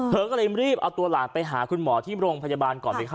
เธอก็เลยรีบเอาตัวหลานไปหาคุณหมอที่โรงพยาบาลก่อนเลยค่ะ